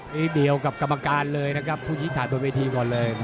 นิดเดียวกับกรรมการเลยนะครับผู้ชี้ขาดบนเวทีก่อนเลย